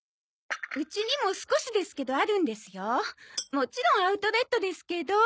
もちろんアウトレットですけど。